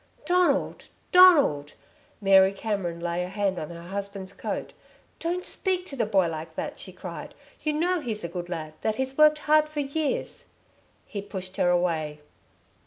"Donald! Donald!" Mary Cameron laid a hand on her husband's coat. "Don't speak to the boy like that," she cried. "You know he's a good lad, that he's worked hard for years." He pushed her away.